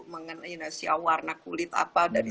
mengenai nasional warna kulit apa dari